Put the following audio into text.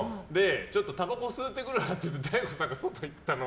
ちょっとたばこ吸うてくるわって大悟さんが外行ったの。